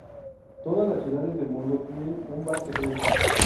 Todas las ciudades del mundo tienen su bar secreto.